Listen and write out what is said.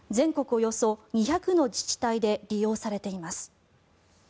およそ２００の自治体で利用されています。